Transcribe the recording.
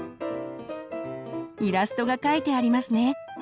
イラストがかいてありますね。